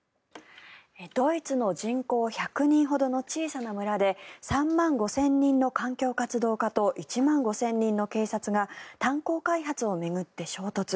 ドイツの人口１００人ほどの小さな村で３万５０００人の環境活動家と１万５０００人の警察が炭鉱開発を巡って衝突。